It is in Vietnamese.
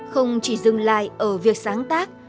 không chỉ dừng lại ở việc sáng tác